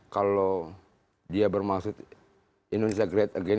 kalau dia bermaksud indonesia great again